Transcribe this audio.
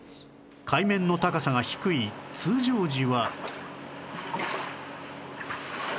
海面の高さが低い通常時は